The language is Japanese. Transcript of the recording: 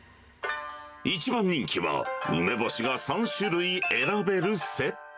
一番人気は、梅干しが３種類選べ